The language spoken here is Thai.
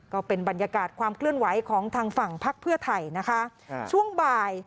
ก็เป็นบรรยากาศความเคลื่อนไหวของทางฝั่งพักเพื่อไทยนะคะช่วงบ่าย